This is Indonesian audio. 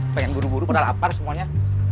pengen buru buru pada lapar semuanya